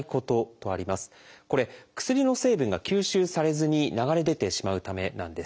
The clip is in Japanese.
これ薬の成分が吸収されずに流れ出てしまうためなんです。